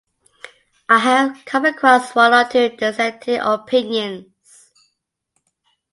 I have come across one or two dissenting opinions.